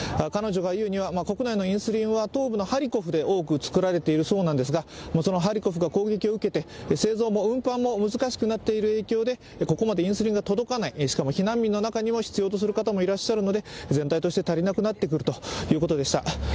彼女がいうには、国内のインスリンは東部のハリコフで多く作られているそうですがそのハリコフが攻撃を受けて製造も運搬も難しくなっている中でここまで届かない、しかも避難民の中にも必要とする方もいらっしゃるので全体として足りなくなってくるということでした。